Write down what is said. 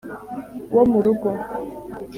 Wo mu rugo